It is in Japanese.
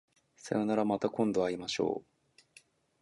さようならまた今度会いましょう